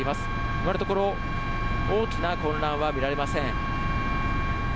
今のところ大きな混乱は見られません。